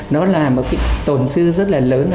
nó là một tổn sư rất là lớn